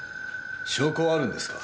証拠はあるんですか？